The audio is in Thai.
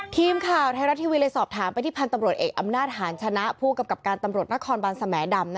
ทีมข่าวทหารทีวีเหลือตำรวจอำนาจหาชนะผู้กับกรรมการตำรดนครบานเสม่ห์ดำ